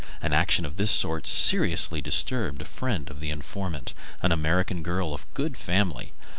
An action of this sort seriously disturbed a friend of the informant, an American girl of good family.